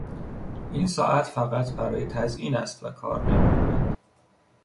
این ساعت فقط برای تزیین است و کار نمیکند.